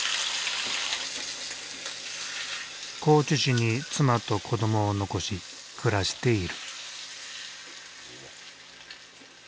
高知市に妻と子どもを残し暮らしている。